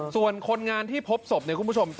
ส่วนคนงานที่พบศพเนี่ยคุณผู้ชม